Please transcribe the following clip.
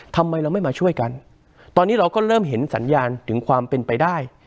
ทำไมเราไม่มาช่วยกันตอนนี้เราก็เริ่มเห็นสัญญาณถึงความเป็นไปได้